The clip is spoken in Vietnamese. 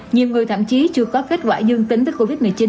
nhiều người thậm chí chưa có kết quả dương tính với covid một mươi chín